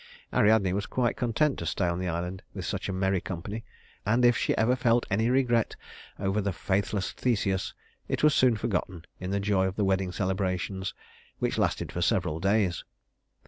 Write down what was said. Ariadne was quite content to stay on the island with such a merry company, and if she ever felt any regret over the faithless Theseus, it was soon forgotten in the joy of the wedding celebrations, which lasted for several days.